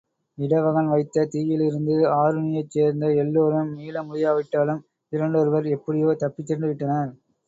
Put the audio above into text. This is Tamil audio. இடவகன் வைத்த தீயிலிருந்து ஆருணியைச் சேர்ந்த எல்லோரும் மீள முடியாவிட்டாலும், இரண்டொருவர் எப்படியோ தப்பிச் சென்றுவிட்டனர்.